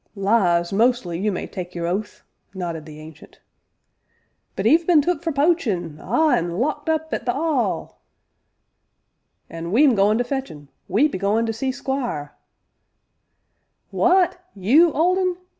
"Lies, mostly, you may tak' your oath!" nodded the Ancient. "But 'e've been took for poachin', ah! an' locked up at the 'All " "An' we 'm goin' to fetch un we be goin' to see Squire " "W'at you, Old Un?